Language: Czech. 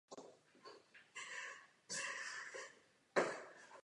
Samozřejmě bychom rádi pokračovali se stejným úsilím.